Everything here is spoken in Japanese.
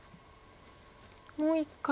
もう一回。